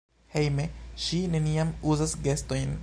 Hejme ŝi neniam uzas gestojn.